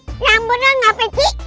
eh ngamberan ngapain cik